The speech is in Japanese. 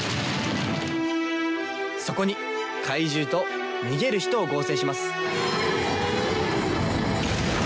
そこに怪獣と逃げる人を合成します。